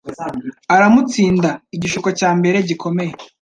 aramutsinda. Igishuko cya mbere gikomeye